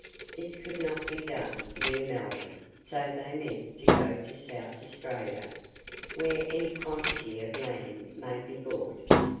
This could not be done near Melbourne, so they meant to go to South Australia, where any quantity of land may be bought.